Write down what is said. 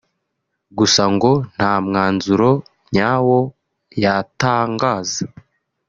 gusa ngo nta mwanzuro nyawo yatangaza